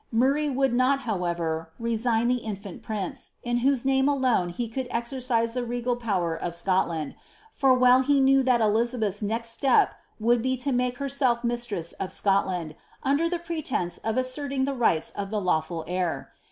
Murray would not, however, resign L'le infant prince, in whose name alone he could exercise the regal mh er of Scotland ; for well he knew that Klizabetli^s next stop would V to make herself mistress of Scotland, under the pretence of asserting :he rights of the lawful heir.